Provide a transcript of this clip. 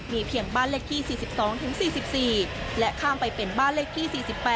เพียงบ้านเลขที่๔๒๔๔และข้ามไปเป็นบ้านเลขที่๔๘